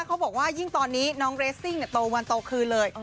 เขาบอกว่ายิ่งตอนนี้น้องเรสซิ่งโตวันโตคืนเลย